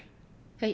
はい。